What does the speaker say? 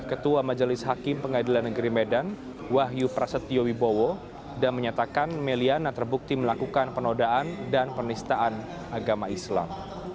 ketua majelis hakim pengadilan negeri medan wahyu prasetyo wibowo dan menyatakan meliana terbukti melakukan penodaan dan penistaan agama islam